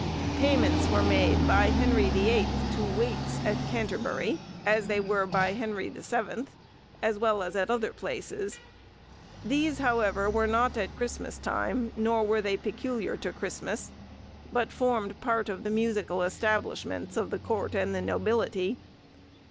Payments were made by Henry the Eighth to waits, at Canterbury, as they were by Henry the Seventh, as well as at other places. These, however, were not at Christmas time, nor were they peculiar to Christmas, but formed part of the musical establishments of the court and the nobility.